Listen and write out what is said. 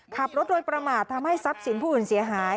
ขับรถโดยประมาททำให้ทรัพย์สินผู้อื่นเสียหาย